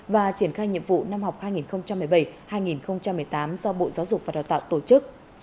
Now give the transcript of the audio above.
và triển khai nhiệm vụ năm học hai nghìn một mươi bảy hai nghìn một mươi tám do bộ giáo dục và đào tạo tổ chức